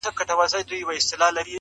عمر تېر سو زه په صبر نه مړېږم،